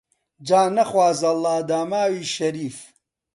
جا نەخوازەڵا داماوی شەریف